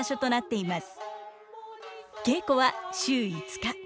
稽古は週５日。